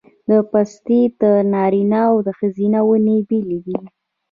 د پستې نارینه او ښځینه ونې بیلې دي؟